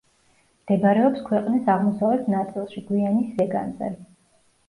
მდებარეობს ქვეყნის აღმოსავლეთ ნაწილში, გვიანის ზეგანზე.